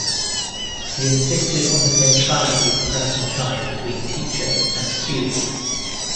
He insisted on the centrality of personal ties between teacher and student.